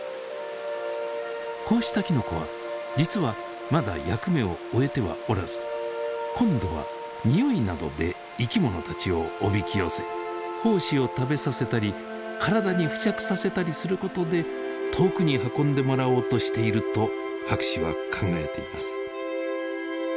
こうしたきのこは実はまだ役目を終えてはおらず今度はにおいなどで生きものたちをおびき寄せ胞子を食べさせたり体に付着させたりすることで遠くに運んでもらおうとしていると博士は考えています。